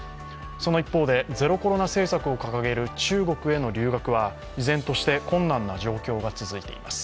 その一方で、ゼロコロナ政策を掲げる中国については、依然として困難な状況が続いています。